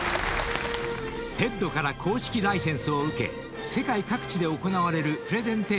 ［ＴＥＤから公式ライセンスを受け世界各地で行われるプレゼンテーションイベント